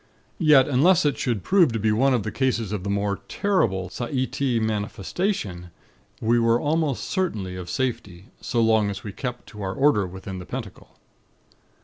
Yet, unless it should prove to be one of the cases of the more terrible Saiitii Manifestation, we were almost certain of safety, so long as we kept to our order within the Pentacle.